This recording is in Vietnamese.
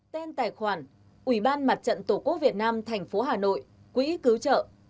tên tài khoản ủy ban mặt trận tổ quốc việt nam thành phố hà nội quỹ cứu trợ